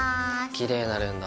きれいになるんだ。